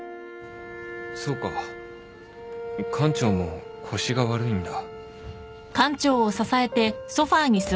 そうか館長も腰が悪いんだ